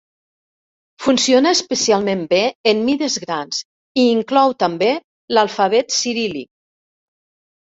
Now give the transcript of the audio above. Funciona especialment bé en mides grans i inclou també l'alfabet ciríl·lic.